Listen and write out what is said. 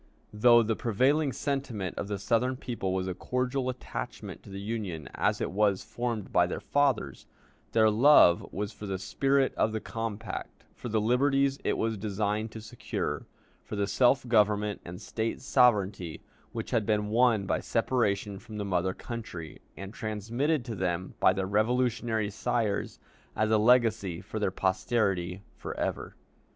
Though the prevailing sentiment of the Southern people was a cordial attachment to the Union as it was formed by their fathers, their love was for the spirit of the compact, for the liberties it was designed to secure, for the self government and State sovereignty which had been won by separation from the mother country, and transmitted to them by their Revolutionary sires as a legacy for their posterity for ever.